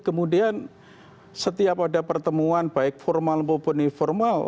kemudian setiap ada pertemuan baik formal maupun informal